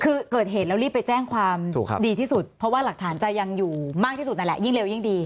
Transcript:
คือเกิดเหตุแล้วรีบไปแจ้งความดีที่สุดเพราะว่าหลักฐานจะยังอยู่มากที่สุดนั่นแหละยิ่งเร็วยิ่งดี